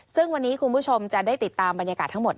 ซึ่งวันนี้คุณผู้ชมจะได้ติดตามบรรยากาศทั้งหมด